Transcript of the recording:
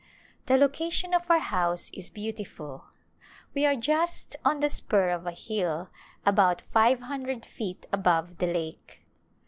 The location of our house is beautiful. We are just on the spur of a hill, about five hundred feet above the lake.